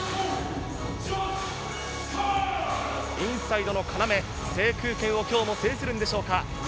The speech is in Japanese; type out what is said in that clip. インサイドの要、制空権を今日も制するんでしょうか。